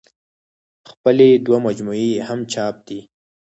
خپلې دوه مجموعې يې هم چاپ دي